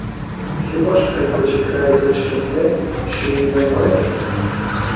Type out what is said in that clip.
Хіба ж кривда чіпляється через те, що її займають?